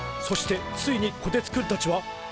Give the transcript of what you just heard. そしてついにこてつくんたちは！